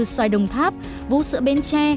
xoài đồng tháp vũ sữa bến tre